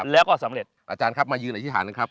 แล้วก็สำเร็จอาจารย์ครับมายืนอธิษฐานนะครับ